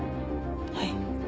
はい。